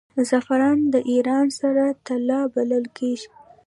زعفران د ایران سره طلا بلل کیږي.